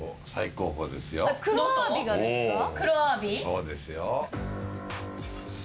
そうですよ。